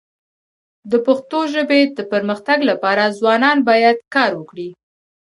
د پښتو ژبي د پرمختګ لپاره ځوانان باید کار وکړي.